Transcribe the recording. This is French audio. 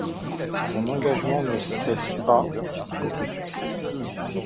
Son engagement ne cesse pas avec le succès.